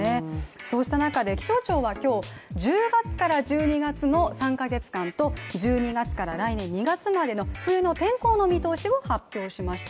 そうした中で気象庁は今日１０月から１２月の３か月間と１２月から来年２月までの冬の天候の見通しを発表しました。